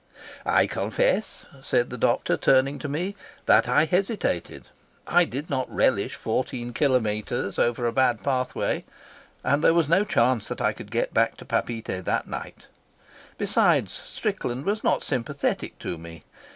"I confess," said the doctor, turning to me, "that I hesitated. I did not relish fourteen kilometres over a bad pathway, and there was no chance that I could get back to Papeete that night. Besides, Strickland was not sympathetic to me.